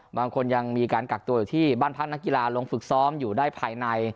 บางคนยังมีการกักตัวอยู่ที่บ้านพักนักกีฬาลงฝึกซ้อมอยู่ได้ภายใน